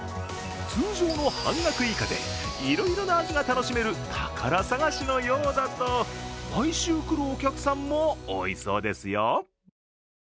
通常の半額以下でいろいろな味が楽しめる宝探しのようだと毎週来るお客さんも多いそうですよ。